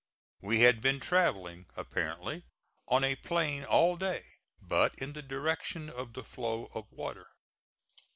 We had been travelling, apparently, on a plain all day, but in the direction of the flow of water.